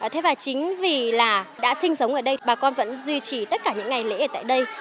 thế và chính vì là đã sinh sống ở đây bà con vẫn duy trì tất cả những ngày lễ ở tại đây